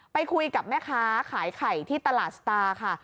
ไปคุยกับแม่ค้าขายไข่ที่ตลาดสตาร์ค่ะ